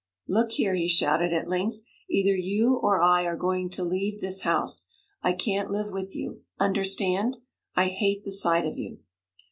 'Look here!' he shouted at length, 'either you or I are going to leave this house. I can't live with you understand? I hate the sight of you!'